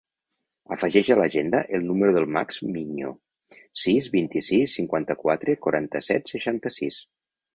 Afegeix a l'agenda el número del Max Miño: sis, vint-i-sis, cinquanta-quatre, quaranta-set, seixanta-sis.